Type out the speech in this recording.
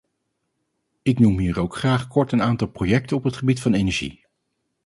Ik noem hier ook graag kort een aantal projecten op het gebied van energie.